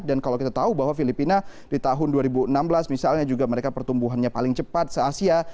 dan kalau kita tahu bahwa filipina di tahun dua ribu enam belas misalnya juga mereka pertumbuhannya paling cepat se asia